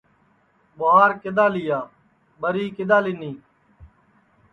ٻُواہار کِدؔا لیا ٻری کِدؔا لینی